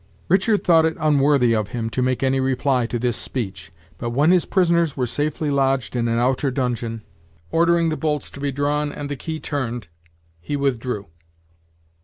Richard thought it unworthy of him to make any reply to this speech, but when his prisoners were safely lodged in an outer dungeon, ordering the bolts to be drawn and the key turned, he withdrew.